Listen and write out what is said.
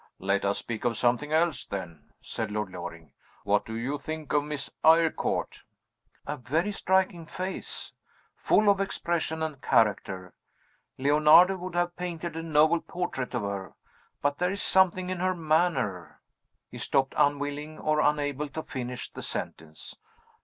"Let us speak of something else then," said Lord Loring. "What do you think of Miss Eyrecourt?" "A very striking face; full of expression and character. Leonardo would have painted a noble portrait of her. But there is something in her manner " He stopped, unwilling or unable to finish the sentence.